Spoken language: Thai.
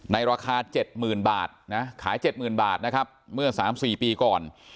ในราคาเจ็ดหมื่นบาทนะขายเจ็ดหมื่นบาทนะครับเมื่อสามสี่ปีก่อน